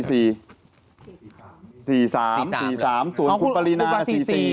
ส่วนคุณปรินาคุณปรา๔๔